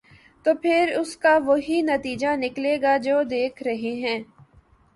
تو پھر اس کا وہی نتیجہ نکلے گا جو ہم دیکھ رہے ہیں۔